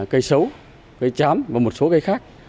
cây sấu cây chám và một số cây khác